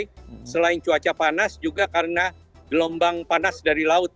tapi selain cuaca panas juga karena gelombang panas dari laut